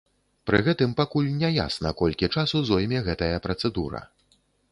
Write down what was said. Пры гэтым пакуль не ясна, колькі часу зойме гэтая працэдура.